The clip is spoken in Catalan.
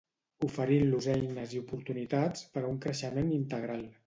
oferint-los eines i oportunitats per a un creixement integral